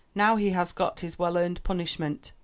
Now he has got his well earned punish ment."